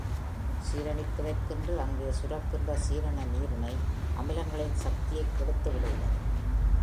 சீரணிப்பதற்கென்று அங்கே சுரக்கின்ற சீரண நீரினை, அமிலங்களின் சக்தியைக் கெடுத்து விடுகிறது.